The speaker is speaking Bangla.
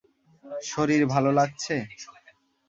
শরীর ভালো লাগছে?